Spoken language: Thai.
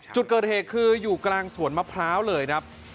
จุดเกิดเหตุคืออยู่กลางสวนมะพร้าวเลยครับ